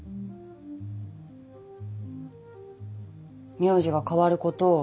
名字が変わること。